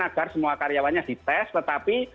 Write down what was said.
agar semua karyawannya dites tetapi